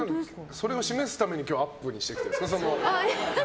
それを示すために今日はアップにしてるんですか。